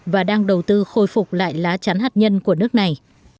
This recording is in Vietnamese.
và đang đầu tư khôi phục lại lá chắn hạt nhân của nước này